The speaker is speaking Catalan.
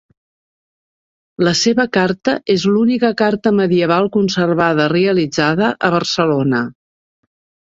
La seva carta és l'única carta medieval conservada realitzada a Barcelona.